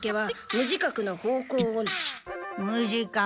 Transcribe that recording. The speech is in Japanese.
無自覚。